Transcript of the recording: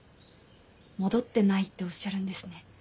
戻ってないっておっしゃるんですね。